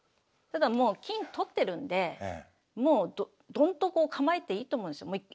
ただもう金取ってるんでもうどんと構えていいと思うんですよね。